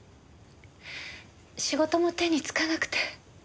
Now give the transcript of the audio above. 仕事も手につかなくて。